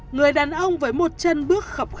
người đàn ông với một chân bước khập khãnh là chị